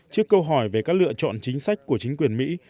trước câu hỏi về các lựa chọn chính sách của chính quyền mỹ